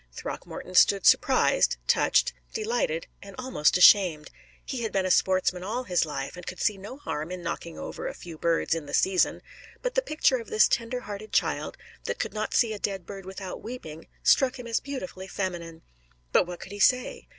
Throckmorton stood surprised, touched, delighted, and almost ashamed. He had been a sportsman all his life, and could see no harm in knocking over a few birds in the season; but the picture of this tender hearted child, that could not see a dead bird without weeping, struck him as beautifully feminine. But what could he say?